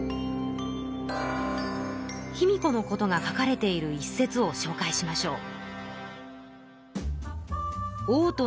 卑弥呼のことが書かれている一節をしょうかいしましょう。